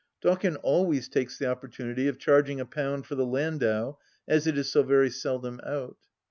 Dawkin always takes the opportunity of charging a pound for the landau, as it is so very seldom out.